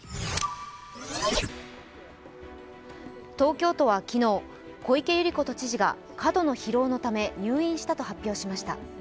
東京都は昨日、小池百合子都知事が過度の疲労のため入院したと発表しました。